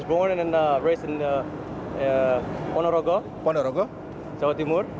saya lahir dan lahir di ponorogo jawa timur